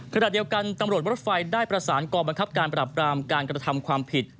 ขณะเดียวกันตำรวจรถไฟได้ประสานกองบังคับการปรับรามการกระทำความผิด